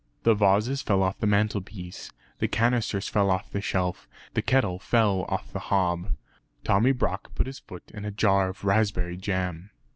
The vases fell off the mantelpiece, the canisters fell off the shelf; the kettle fell off the hob. Tommy Brock put his foot in a jar of raspberry jam.